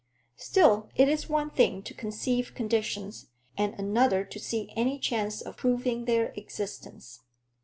Still, it is one thing to conceive conditions, and another to see any chance of proving their existence.